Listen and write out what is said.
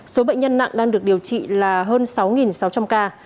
số bệnh nhân nặng đang được điều trị là hơn sáu sáu trăm linh ca